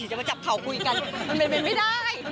จะมาจับเขาคุยกันมันเป็นไม่ได้